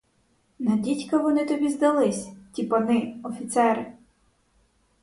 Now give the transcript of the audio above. На дідька вони тобі здались — ті пани, офіцери?